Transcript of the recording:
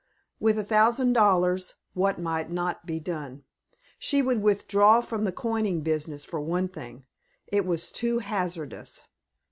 With a thousand dollars, what might not be done? She would withdraw from the coining business, for one thing. It was too hazardous.